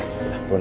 udah temenin andi